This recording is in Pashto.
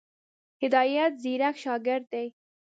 هدایت ځيرک شاګرد دی.